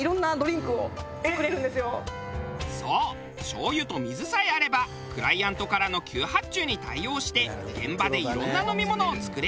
そう醤油と水さえあればクライアントからの急発注に対応して現場でいろんな飲み物を作れる。